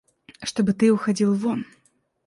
Чтобы ты уходил вон.